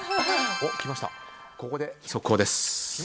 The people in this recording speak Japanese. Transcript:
ここで、速報です。